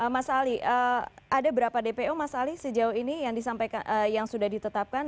mas ali ada berapa dpo mas ali sejauh ini yang sudah ditetapkan